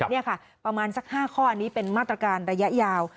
นี่ค่ะประมาณสัก๕ข้ออันนี้เป็นมาตรการระยะยาว